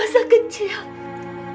apa yang pernah kamu punya